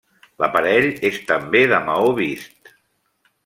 L'aparell és també de maó vist.